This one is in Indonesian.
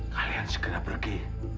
kalian segera pergi